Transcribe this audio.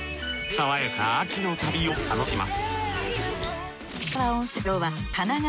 爽やかな秋の旅を楽しめます